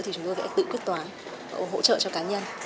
thì chúng tôi sẽ tự quyết toán hỗ trợ cho cá nhân